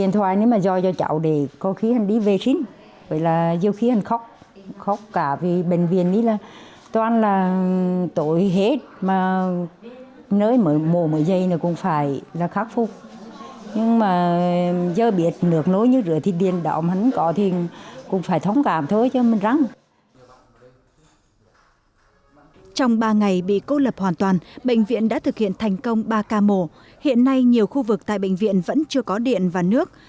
trong ba ngày bị cô lập hoàn toàn bệnh viện đã thực hiện thành công ba ca mổ hiện nay nhiều khu vực tại bệnh viện vẫn chưa có điện và nước